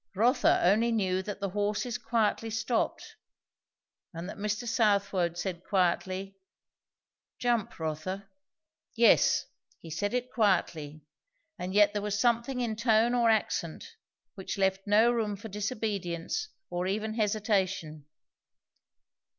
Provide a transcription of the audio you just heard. Rotha only knew that the horses quietly stopped, and that Mr. Southwode said quietly, "Jump, Rotha!" Yes, he said it quietly; and yet there was something in tone or accent which left no room for disobedience or even hesitation.